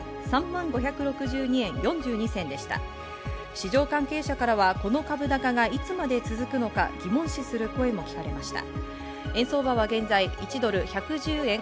市場関係者からはこの株高がいつまで続くのか疑問視する声も聞かれました。